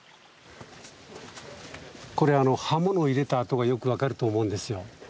これ刃物入れた痕がよく分かると思うんですよ。